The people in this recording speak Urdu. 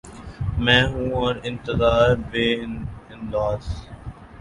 میں ہوں اور انتظار بے انداز